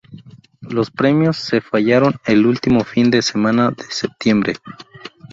Los premios se fallaron el último fin de semana de septiembre.